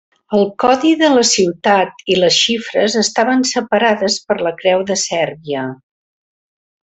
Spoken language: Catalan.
El codi de la ciutat i les xifres estaven separades per la Creu de Sèrbia.